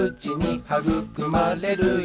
「はぐくまれるよ